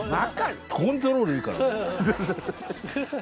コントロールいいから。